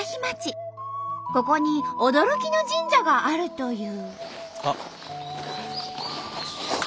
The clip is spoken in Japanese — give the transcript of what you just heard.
ここに驚きの神社があるという。